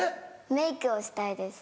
メークをしたいです。